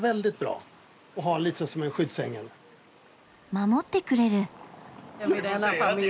守ってくれる。